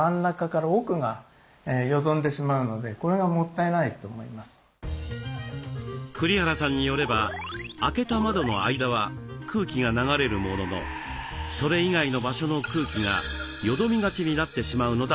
ただあとはですね栗原さんによれば開けた窓の間は空気が流れるもののそれ以外の場所の空気がよどみがちになってしまうのだそうです。